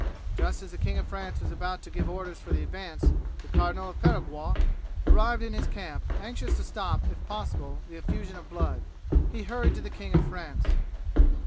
Just as the King of France was about to give orders for the advance, the Cardinal of Perigord arrived in his camp, anxious to stop, if possible, the effusion of blood. He hurried to the King of France.